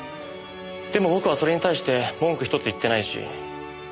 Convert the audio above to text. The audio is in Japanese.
でも僕はそれに対して文句一つ言ってないし。